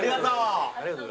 ありがとう。